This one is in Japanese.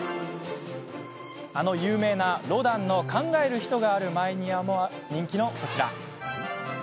あの有名なロダンの「考える人」がある前庭も人気のこちら。